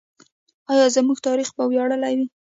آیا زموږ تاریخ به ویاړلی وي؟